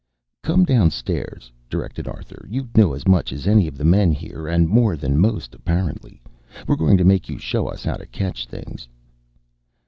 "Come down stairs," directed Arthur. "You know as much as any of the men here, and more than most, apparently. We're going to make you show us how to catch things."